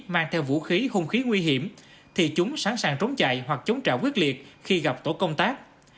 mang theo vũ khí hung khí nguy hiểm thì chúng sẵn sàng trốn chạy hoặc chống trả quyết liệt khi gặp tổ công tác